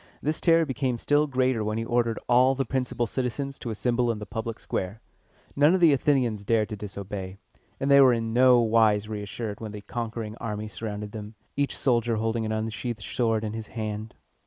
This terror became still greater when he ordered all the principal citizens to assemble in the public square. None of the Athenians dared to disobey, and they were in no wise reassured when the conquering army surrounded them, each soldier holding an unsheathed sword in his hand.